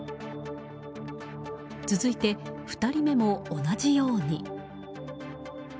続いて２人目も同じように。